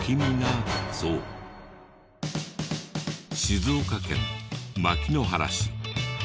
静岡県牧之原市。